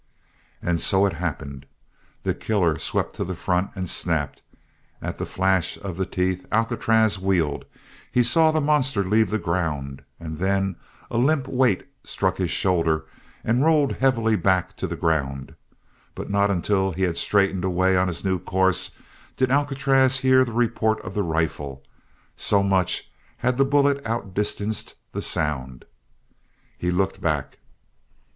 And so it happened. The killer swept to the front and snapped at the flash of the teeth Alcatraz wheeled, saw the monster leave the ground and then a limp weight struck his shoulder and rolled heavily back to the ground; but not until he had straightened away on his new course did Alcatraz hear the report of the rifle, so much had the bullet outdistanced the sound. He looked back.